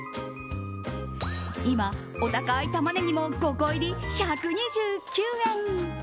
今、お高いタマネギも５個入り１２９円。